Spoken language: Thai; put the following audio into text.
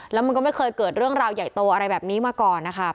แล้วมันก็ไม่เคยเกิดเรื่องราวใหญ่โตอะไรแบบนี้มาก่อนนะคะ